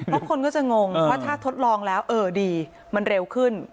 เพราะคนก็จะงงว่าถ้าทดลองแล้วเออดีมันเร็วขึ้น